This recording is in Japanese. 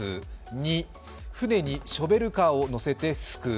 ２、船にショベルカーを載せてすくう。